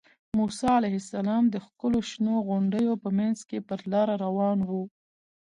موسی علیه السلام د ښکلو شنو غونډیو په منځ کې پر لاره روان و.